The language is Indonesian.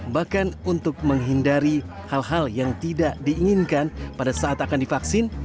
bahkan untuk menghindari hal hal yang tidak diinginkan pada saat akan divaksin